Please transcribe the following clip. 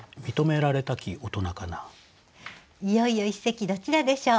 いよいよ一席どちらでしょう。